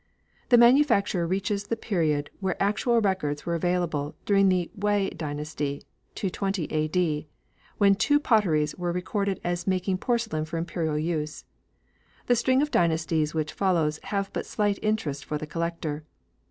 The manufacture reaches the period where actual records were available during the Wei dynasty, 220 A.D., when two potteries were recorded as making porcelain for Imperial use. The string of dynasties which follows have but slight interest for the collector.